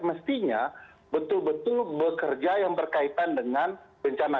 mestinya betul betul bekerja yang berkaitan dengan bencana